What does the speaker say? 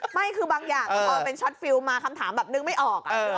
ไม่คือบางอย่างพอเป็นช็อตฟิลมาคำถามแบบนึกไม่ออก